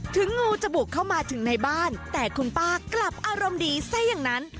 งูจะบุกเข้ามาถึงในบ้านแต่คุณป้ากลับอารมณ์ดีซะอย่างนั้น